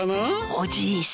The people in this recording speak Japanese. おじいさん